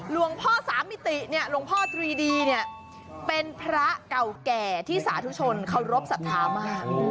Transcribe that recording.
หลวงพ่อสามมิติเนี่ยหลวงพ่อตรีดีเนี่ยเป็นพระเก่าแก่ที่สาธุชนเคารพสัทธามาก